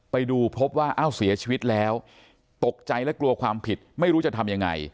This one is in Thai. ไปดูพบว่าอ้าวเสียชีวิตแล้วตกใจและกลัวความผิดไม่รู้จะทำยังไง